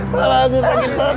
pak bapak apa apa pak